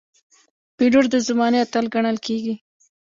پیلوټ د زمانې اتل ګڼل کېږي.